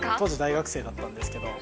当時、大学生だったんですけど。